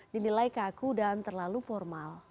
dinilai kaku dan terlalu formal